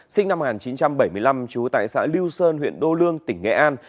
sinh năm một nghìn chín trăm bảy mươi năm trú tại xã lưu sơn huyện đô lương tỉnh nghệ an